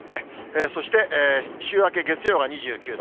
そして週明け月曜が２９度。